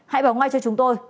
hãy bảo ngay cho chúng tôi